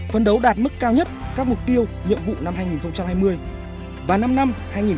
phấn đấu đạt mức cao nhất các mục tiêu nhiệm vụ năm hai nghìn hai mươi và năm năm hai nghìn một mươi sáu hai nghìn hai mươi